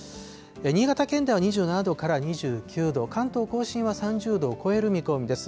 新潟県内は２７度から２９度、関東甲信は３０度を超える見込みです。